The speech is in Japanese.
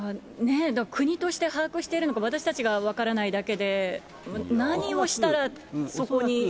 国として把握しているのか、私たちが分からないだけで、何をしたらそこに。